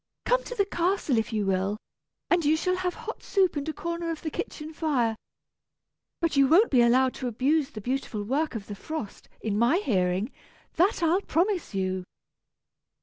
Come to the castle, if you will, and you shall have hot soup and a corner of the kitchen fire. But you won't be allowed to abuse the beautiful work of the frost, in my hearing, that I'll promise you."